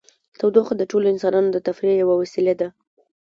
تودوخه د ټولو افغانانو د تفریح یوه وسیله ده.